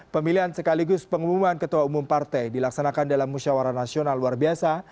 pemilihan sekaligus pengumuman ketua umum partai dilaksanakan dalam musyawara nasional luar biasa